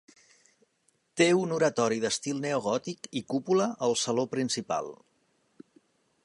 Té un oratori d'estil neogòtic i cúpula al saló principal.